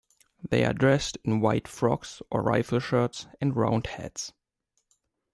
They are dressed in white frocks or rifle shirts and round hats.